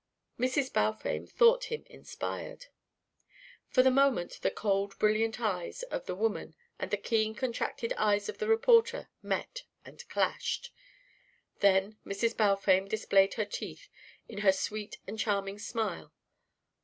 Mrs. Balfame thought him inspired. For the moment the cold brilliant eyes of the woman and the keen contracted eyes of the reporter met and clashed. Then Mrs. Balfame displayed her teeth in her sweet and charming smile.